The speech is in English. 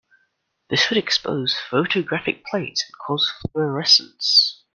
This would expose photographic plates and cause fluorescence.